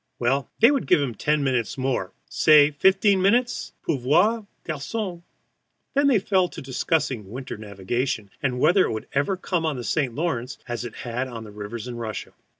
Well, they would give him ten minutes more, say fifteen minutes, pauvre garçon. Then they fell to discussing winter navigation, and whether it would ever come on the St. Lawrence as it had on rivers in Russia.